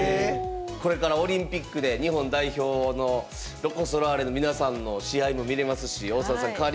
これからオリンピックで日本代表のロコ・ソラーレの皆さんの試合も見れますし大澤さん